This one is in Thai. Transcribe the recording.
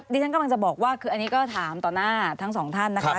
ที่ฉันกำลังจะบอกว่าคืออันนี้ก็ถามต่อหน้าทั้งสองท่านนะคะ